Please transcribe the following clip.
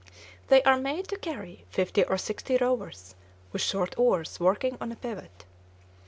They are made to carry fifty or sixty rowers, with short oars working on a pivot.